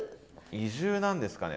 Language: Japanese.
移住なんですかね。